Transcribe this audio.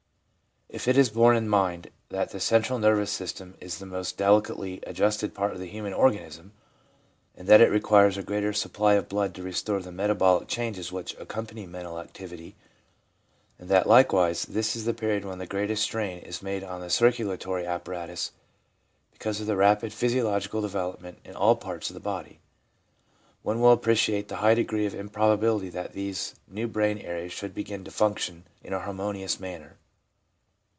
1 If it is borne in mind that the central nervous system is the most deli cately adjusted part of the human organism, and that it requires a greater supply of blood to restore the metabolic changes which accompany mental activity, and that like wise this is the period when the greatest strain is made on the circulatory apparatus because of the rapid physio logical development in all parts of the body, one will appreciate the high degree of improbability that these new brain areas should begin to function in a harmonious manner.